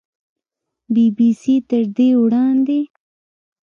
بي بي سي تر دې وړاندې